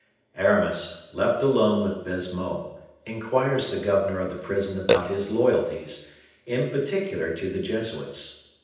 Aramis, left alone with Baisemeaux, inquires the governor of the prison about his loyalties, in particular to the Jesuits.